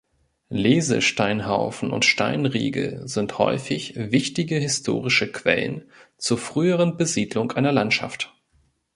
Lesesteinhaufen und Steinriegel sind häufig wichtige historische Quellen zur früheren Besiedlung einer Landschaft.